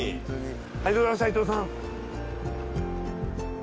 ありがとうございました伊藤さん。